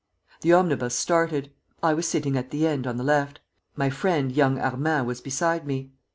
The omnibus started. I was sitting at the end on the left, my friend young Armand was beside me.